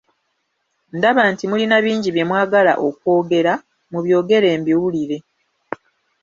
Ndaba nti mulina bingi bye mwagala okwogera, mubyogere mbiwulire.